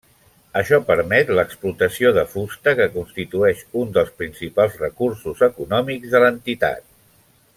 Això permet l'explotació de fusta, que constitueix un dels principals recursos econòmics de l'entitat.